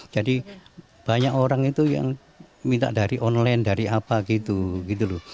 jadi banyak orang itu yang minta dari online dari apa gitu loh